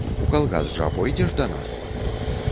У калгас жа пойдзеш да нас?